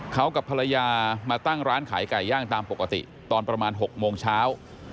เขากับภรรยามาตั้งร้านขายไก่ย่างตามปกติตอนประมาณ๖โมงเช้า